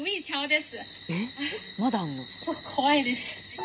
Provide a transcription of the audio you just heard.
怖いです。